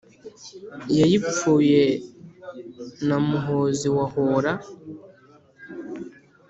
Yayipfuye na Muhozi wa hora